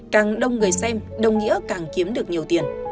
càng đông người xem đồng nghĩa càng kiếm được nhiều tiền